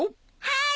はい！